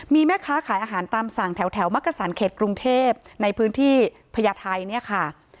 มีแม่ค้าขายอาหารตามสั่งแถวมักกษันเขตกรุงเทพในพื้นที่พญาไทยเนี่ยค่ะ